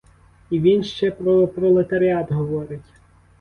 І він ще про пролетаріат говорить.